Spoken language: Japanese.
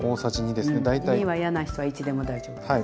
２は嫌な人は１でも大丈夫です。